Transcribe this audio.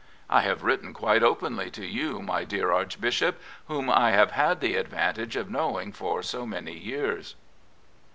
I have written quite openly to you, my dear Archbishop, whom I have had ^e advantage of knowing for so many years.